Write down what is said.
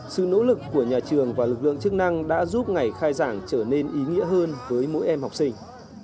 sự nỗ lực của nhà trường và lực lượng chức năng đã giúp ngày khai giảng trở nên ý nghĩa hơn với mỗi em học sinh